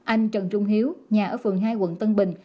anh trần trung hiếu nhà ở phường hai quận tân bình